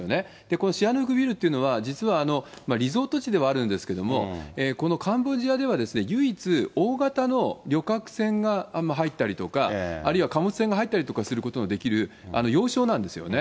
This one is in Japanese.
このシアヌークビルっていうのは、実はリゾート地ではあるんですけれども、このカンボジアでは唯一、大型の旅客船が入ったりとか、あるいは貨物船が入ったりすることができる要衝なんですよね。